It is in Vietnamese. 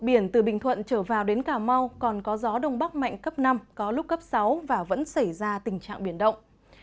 biển từ bình thuận trở vào đến cà mau còn có gió đông bắc mạnh cấp năm có lúc cấp sáu và vẫn xảy ra tình trạng biển động